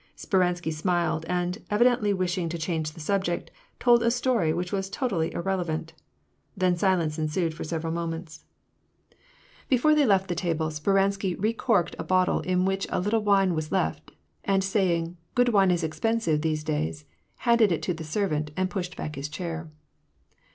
Speransky smiled, and, evidently wishing to change the subject, tolcl a story which was totally irrelevant. Then silence ensued for several moments. 214 ^AR AND PEACK. Before they left the table, Speransky recorked a bottle in which a little wine was left, and saying, " Good wine is ex pensive these days," * handed it to the servant, and pushed back his chair.